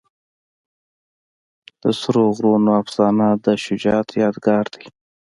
د سرو غرونو افسانه د شجاعت یادګار ده.